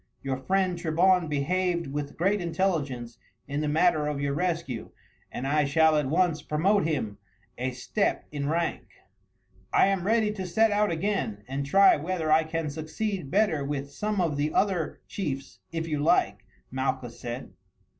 Your friend Trebon behaved with great intelligence in the matter of your rescue, and I shall at once promote him a step in rank." "I am ready to set out again and try whether I can succeed better with some of the other chiefs if you like," Malchus said.